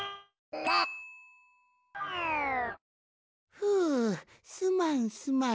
ふうすまんすまん。